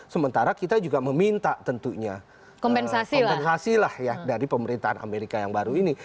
sementara kita juga meminta tentunya kompensasi lah ya dari pemerintahan amerika yang baru ini